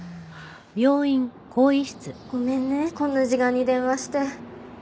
ごめんねこんな時間に電話して。